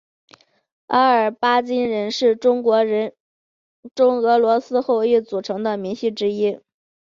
阿尔巴津人是中国人中俄罗斯后裔组成的民系之一。